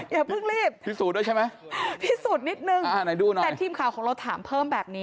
อย่าเพิ่งรีบพิสูจน์นิดหนึ่งแต่ทีมข่าวของเราถามเพิ่มแบบนี้